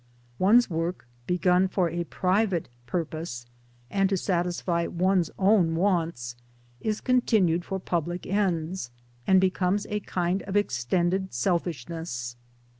One's work, begun for a private purpose and to satisfy one's own wants, is continued for; public ends and becomes a kind of extended selfish ness.